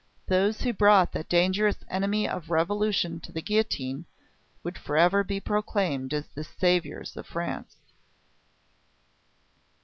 Those who brought that dangerous enemy of revolution to the guillotine would for ever be proclaimed as the saviours of France.